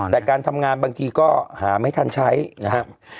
แต่การทำงานบางทีก็หาไม่ทันใช้นะครับ